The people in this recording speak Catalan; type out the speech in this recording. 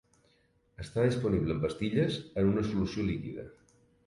Està disponible en pastilles en una solució líquida.